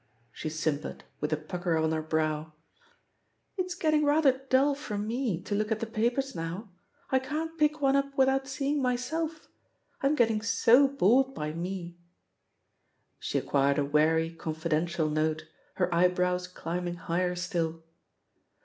She simpered, with a pucker on her brow. "It's getting rather dull for me to look at the papers now. I can't pick one up without seeing myself — I'm getting so bored by mei" •.• She acquired a weary, confidential note, her eyebrows climbing higher still.